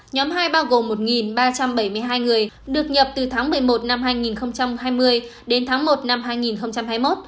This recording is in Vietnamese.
nhóm hai bao gồm một ba trăm bảy mươi hai người được nhập từ tháng một mươi một năm hai nghìn hai mươi đến tháng một năm hai nghìn hai mươi một